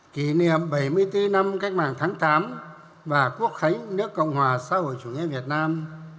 kỷ niệm bảy mươi bốn năm cách mạng tháng tám và quốc khánh nước cộng hòa xã hội chủ nghĩa việt nam